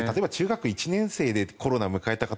中学１年生でコロナを迎えた方